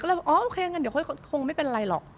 ก็เลยบอกอ๋อโอเคอย่างนั้นเดี๋ยวคงไม่เป็นไรหรอก